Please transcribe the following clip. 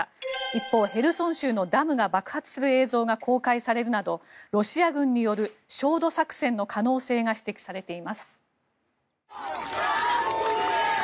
一方、ヘルソン州のダムが爆発する映像が公開されるなどロシア軍による焦土作戦の可能性が指摘されています。